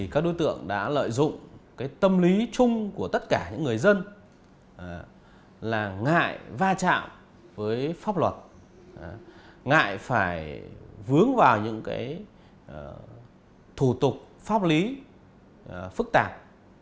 các đối tượng đã lợi dụng tâm lý chung của tất cả những người dân là ngại va chạm với pháp luật ngại phải vướng vào những thủ tục pháp lý phức tạp